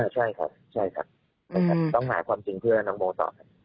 ใช่ครับต้องหาความจริงเพื่อน้องโมต่อ